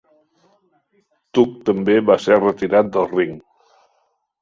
Tuck també va ser retirat del ring.